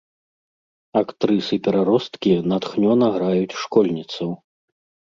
Актрысы-пераросткі натхнёна граюць школьніцаў.